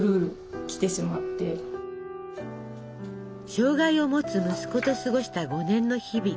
障害を持つ息子と過ごした５年の日々。